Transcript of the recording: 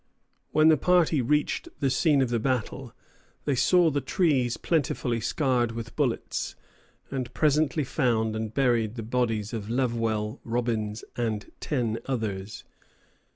When the party reached the scene of the battle, they saw the trees plentifully scarred with bullets, and presently found and buried the bodies of Lovewell, Robbins, and ten others.